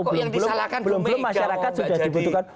belum belum masyarakat sudah dibutuhkan